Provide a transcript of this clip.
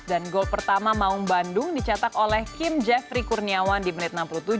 dan gol pertama maung bandung dicatak oleh kim jeffrey kurniawan di menit enam puluh tujuh